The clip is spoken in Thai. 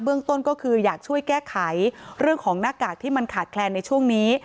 ต้นก็คืออยากช่วยแก้ไขเรื่องของหน้ากากที่มันขาดแคลนในช่วงนี้